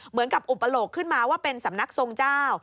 เหมือนกับอุปโลกขึ้นมาว่าเป็นสำนักทรงเจ้า